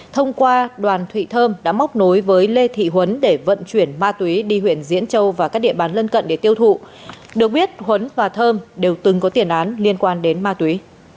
thông qua đoàn thị thơm đã móc nối với lê thị huấn để vận chuyển ma túy đi huyện diễn châu và các địa bàn lân cận để tiêu thụ được biết huấn và thơm đều từng có tiền án liên quan đến ma túy